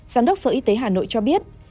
giám đốc sở y tế hà nội cho biết